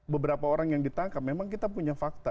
beberapa orang yang ditangkap memang kita punya fakta